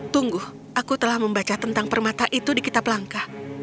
tunggu aku telah membaca tentang permata itu di kitab langkah